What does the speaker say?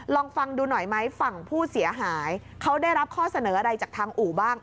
ลองฟังดูหน่อยไหมฝั่งผู้เสียหายเขาได้รับข้อเสนออะไรจากทางอู่บ้าง